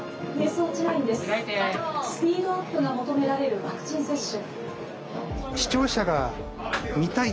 スピードアップが求められるワクチン接種」。